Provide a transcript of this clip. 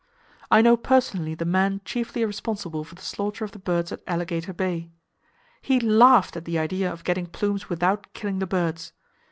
"I know personally the man chiefly responsible for the slaughter of the birds at Alligator Bay. He laughed at the idea of getting plumes without killing the birds!